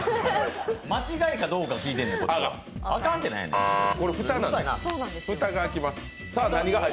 間違いかどうか聞いてんねん、こっちは。